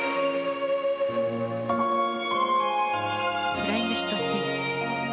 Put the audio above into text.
フライングシットスピン。